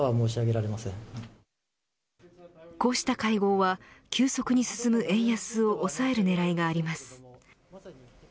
こうした会合は、急速に進む円安を抑える狙いがあります。